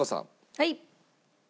はい。